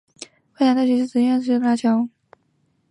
外滩大桥是浙江省宁波市一座跨甬江斜拉桥。